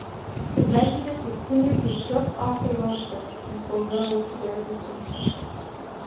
The Regiment would sooner be struck off the roster than forego their distinction.